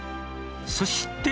そして。